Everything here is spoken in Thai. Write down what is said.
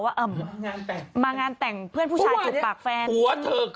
มางานแต่งมางานแต่งเพื่อนผู้ชายจุ๊บปรากแฟน